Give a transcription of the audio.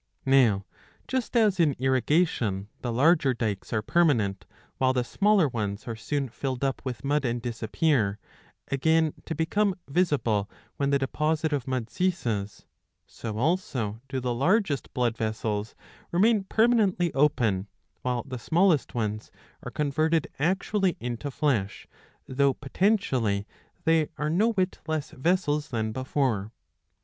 Now just as in irrigation the larger dykes are permanent, while the smaller ones are soon filled up with mud and disappear, again to become visible when the deposit of mud ceases ; so also do the largest blood vessels remain permanently open, while the smallest ones are converted actually into flesh, though potentially they are no whit less vessels than before.'''